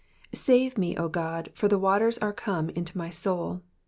SAVE me, O God ; for the waters are come in unto my soul.